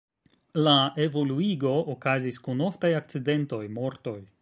La evoluigo okazis kun oftaj akcidentoj, mortoj.